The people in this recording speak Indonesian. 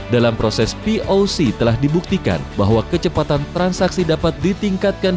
dalam proses voc telah dibuktikan bahwa kecepatan transaksi dapat ditingkatkan